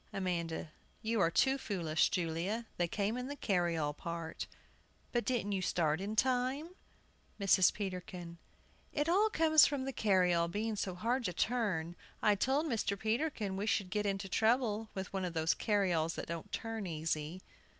AMANDA. You are too foolish, Julia. They came in the carryall part. But didn't you start in time? MRS. PETERKIN. It all comes from the carryall being so hard to turn. I told Mr. Peterkin we should get into trouble with one of those carryalls that don't turn easy.